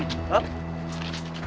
ya effect banget nih mereka